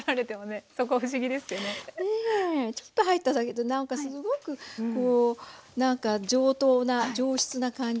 ねえちょっと入っただけで何かすごく上等な上質な感じよね。